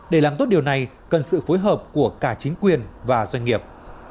để làm tốt điều này cần sự phối hợp của cả chính quyền và doanh nghiệp